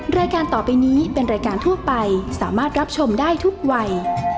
รายการต่อไปนี้เป็นรายการทั่วไปสามารถรับชมได้ทุกวัย